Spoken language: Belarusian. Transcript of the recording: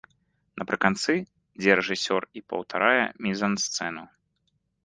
Напрыканцы, дзе рэжысёр і паўтарае мізансцэну.